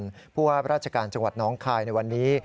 เพราะว่าราชการจังหวัดน้องคายในวันนี้